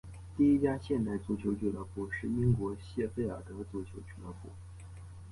第一家现代足球俱乐部是英国谢菲尔德足球俱乐部。